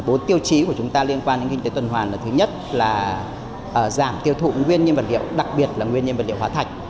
bốn tiêu chí của chúng ta liên quan đến kinh tế tuần hoàn là thứ nhất là giảm tiêu thụ nguyên nhân vật liệu đặc biệt là nguyên nhân vật liệu hóa thạch